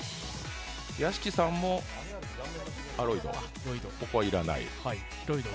屋敷さんも、ロイドここは要らない。